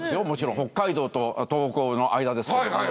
もちろん北海道と東北の間ですからね。